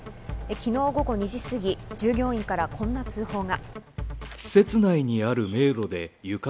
昨日午後２時すぎ、従業員からこんな通報が。